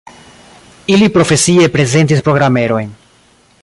Ili profesie prezentis programerojn.